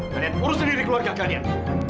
kalian urus sendiri keluarga kalian